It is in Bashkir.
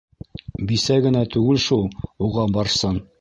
Бисә генә түгел шул уға Барсын.